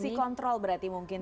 fungsi kontrol berarti mungkin